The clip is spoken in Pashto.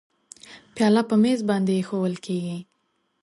پیاله په میز باندې اېښوول کېږي.